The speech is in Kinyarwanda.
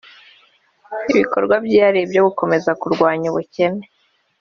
ibikorwa byihariye byo gukomeza kurwanya ubukene.